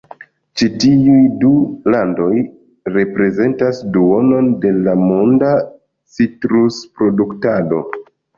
Ĉi tiuj du landoj reprezentas duonon de la monda citrusproduktado.